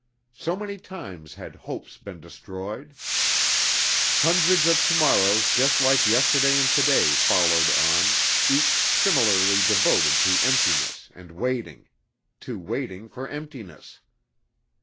So many times had hopes been destroyed! Hundreds of tomorrows just like yesterday and today followed on, each similarly devoted to emptiness and waiting to waiting for emptiness.